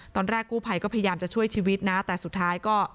ตอนแรกกู้ภัยก็พยายามจะช่วยชีวิตนะแต่สุดท้ายก็